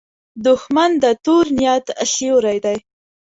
دښمن د تور نیت سیوری دی